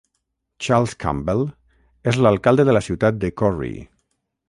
Charles Campbell és l'alcalde de la ciutat de Corry.